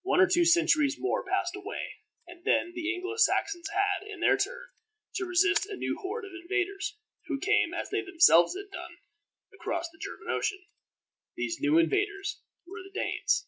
One or two centuries more passed away, and then the Anglo Saxons had, in their turn, to resist a new horde of invaders, who came, as they themselves had done, across the German Ocean. These new invaders were the Danes.